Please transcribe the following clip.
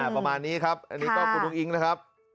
ประมาณนี้ครับอันนี้ก็คุณอุ้งอิ๊งนะครับ